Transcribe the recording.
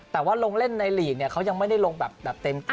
แต่ว่าลงเล่นในหลีกเนี่ยเขายังไม่ได้ลงแบบเต็มตัว